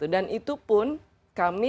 dan itu pun kami